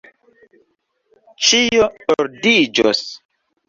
Ĉio ordiĝos!